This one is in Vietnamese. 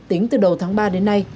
tính từ đầu tháng ba đến nay